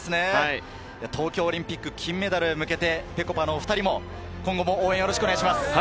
東京オリンピック金メダルへ向けて、ぺこぱのお２人も今後応援をよろしくお願いします。